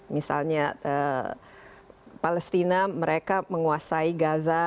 misalnya palestina mereka menguasai gaza